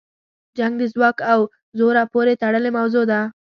جنګ د ځواک او زوره پورې تړلې موضوع ده.